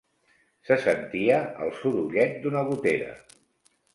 Se sentia el sorollet d'una gotera.